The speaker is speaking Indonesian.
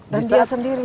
dan dia sendirian